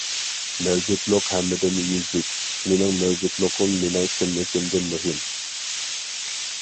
مەۋجۇتلۇق ھەممىدىن يۈزلۈك، مېنىڭ مەۋجۇتلۇقۇم مېنىڭ كىملىكىمدىن مۇھىم.